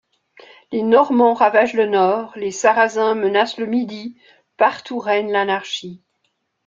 Les Normands ravagent le nord, les Sarrasins menacent le midi, partout règne l'anarchie.